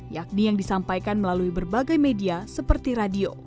yakni yang disampaikan melalui berbagai media seperti radio